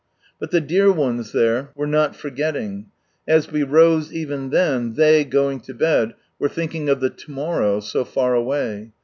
But the dear ones there were not forgetting. As we rose, even then, ihey, going to bed, were thinking of the " to morrow," so faraway.